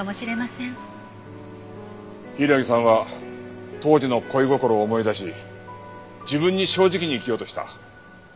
柊さんは当時の恋心を思い出し自分に正直に生きようとした。